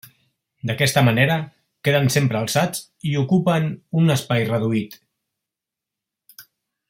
D'aquesta manera, queden sempre alçats i ocupen un espai reduït.